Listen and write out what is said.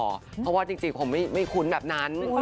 เพราะว่าจริงผมไม่คุ้นแบบนั้น